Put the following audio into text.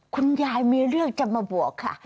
คุณยายมีเรื่องจะมาบวกค่ะ